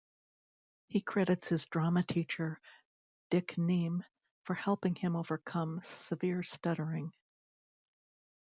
He credits his drama teacher, Dick Nieme, for helping him overcome severe stuttering.